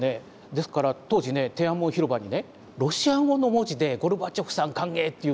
ですから当時ね天安門広場にねロシア語の文字で「ゴルバチョフさん歓迎」っていうね